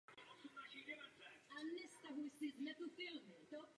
Je to silně jedovatá houba.